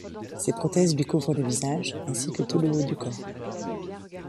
Ses prothèses lui couvrent le visage ainsi que tout le haut du corps.